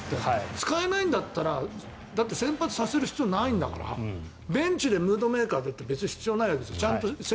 使えないんだったらだって先発させる必要ないんだからベンチでムードメーカーなんて必要ないわけです。